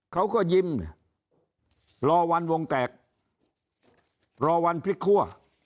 เขาก็ยิ้มรอวันวงแตกรอวันพลิกคั่ว